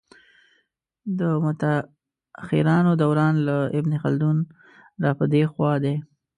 د متاخرانو دوران له ابن خلدون را په دې خوا دی.